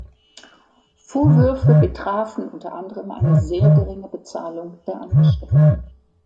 Vorwürfe betrafen unter anderem eine sehr geringe Bezahlung der Angestellten.